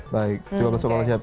baik dua belas sampai empat belas jam